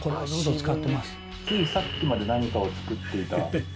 ついさっきまで何かを作っていた感じが。